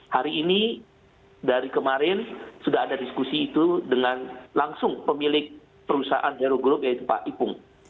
hari ini dari kemarin sudah ada diskusi itu dengan langsung pemilik perusahaan hero group yaitu pak ipung